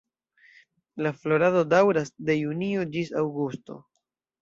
La florado daŭras de junio ĝis aŭgusto.